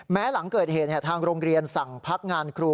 หลังเกิดเหตุทางโรงเรียนสั่งพักงานครู